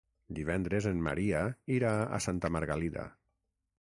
Divendres en Maria irà a Santa Margalida.